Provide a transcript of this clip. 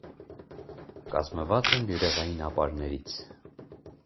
Կազմված են բյուրեղային ապարներից։